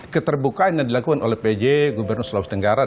keterbukaan yang dilakukan oleh pj gubernur sulawesi tenggara